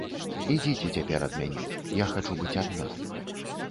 Ідзіце цяпер ад мяне, я хачу быць адна.